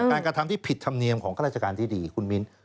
กระทำที่ผิดธรรมเนียมของข้าราชการที่ดีคุณมิ้น